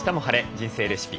人生レシピ」